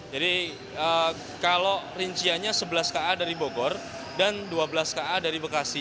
jadi kalau rinciannya sebelas ka dari bogor dan dua belas ka dari bekasi